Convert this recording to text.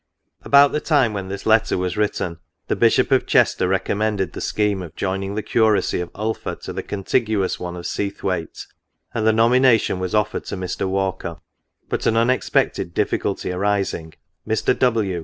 About the time when this letter was written, the Bishop of Chester recommended the scheme of joining the curacy of Ulpha to the contiguous one of Seathwaite, and the nomin ation was offered to Mr. Walker ; but an unexpected difficulty arising, Mr. W.